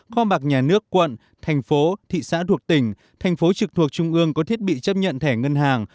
kho bạc nhà nước quận thành phố thị xã thuộc tỉnh thành phố trực thuộc trung ương có thiết bị chấp nhận thẻ ngân hàng